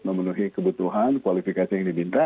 memenuhi kebutuhan kualifikasi yang diminta